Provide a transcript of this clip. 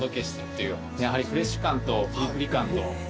やはりフレッシュ感とプリプリ感と。